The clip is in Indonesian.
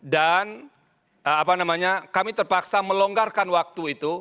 dan kami terpaksa melonggarkan waktu itu